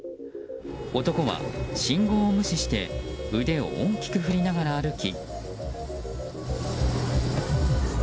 男は信号を無視して腕を大きく振りながら歩き。